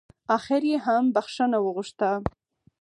اخر يې هم بښنه وغوښته.